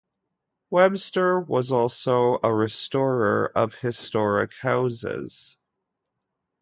Webster was also a restorer of historic houses.